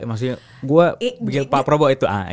maksudnya gue bikin pak prabowo itu